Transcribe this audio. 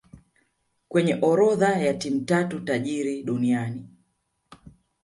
kwenye orodha ya timu tatu tajiri duniani